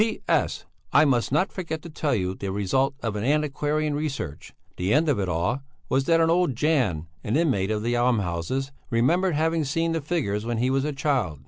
P.S. I must not forget to tell you the result of the antiquarian research. The end of it all was that old Jan, an inmate of the almshouses, remembered having seen the figures when he was a child.